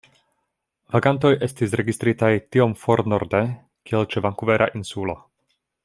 Vagantoj estis registritaj tiom for norde kiel ĉe Vankuvera Insulo.